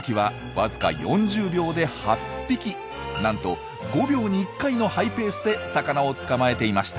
なんと５秒に１回のハイペースで魚を捕まえていました。